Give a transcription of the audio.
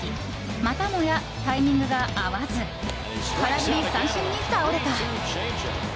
またもやタイミングが合わず空振り三振に倒れた。